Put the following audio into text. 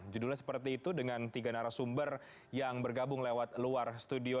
judulnya seperti itu dengan tiga narasumber yang bergabung lewat luar studio